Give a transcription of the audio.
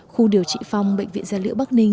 khu điều trị phong bệnh viện gia liễu bắc ninh